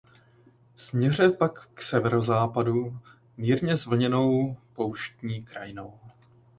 Směřuje pak k severozápadu mírně zvlněnou pouštní krajinou.